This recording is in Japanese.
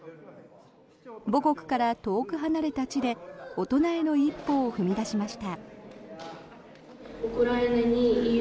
母国から遠く離れた地で大人への一歩を踏み出しました。